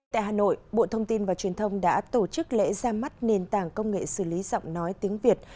tại hà nội bộ thông tin và truyền thông đã tổ chức lễ ra mắt nền tảng công nghệ xử lý giọng nói tiếng việt